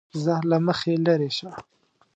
زه له مخې لېرې شه!